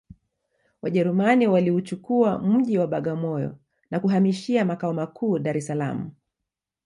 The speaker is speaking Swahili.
wajerumani waliuchukua mji wa bagamoyo na kuhamishia makao makuu dar es salaam